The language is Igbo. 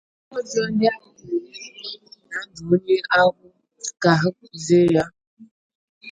ihe ọjọọ ndị ahụ na-emebụ na ndụ onye ahụ ga-ahapụzị ya